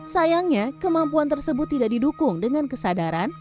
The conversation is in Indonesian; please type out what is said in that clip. sayangnya kemampuan tersebut tidak didukung dengan kesadaran